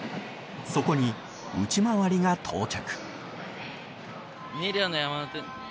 そこに内回りが到着。